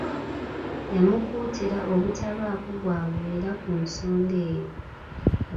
Yamukuutira obutabaako gw'abuulira ku nsonga eyo.